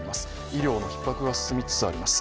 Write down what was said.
医療のひっ迫が進みつつあります。